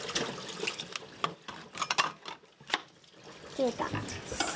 切れた。